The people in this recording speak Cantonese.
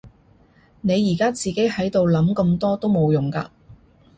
你而家自己喺度諗咁多都冇用㗎